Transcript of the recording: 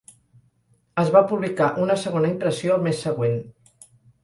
Es va publicar una segona impressió el mes següent.